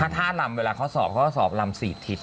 ถ้ารำเวลาเขาสอบก็สอบรำ๔ทิศ